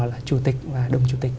là chủ tịch và đồng chủ tịch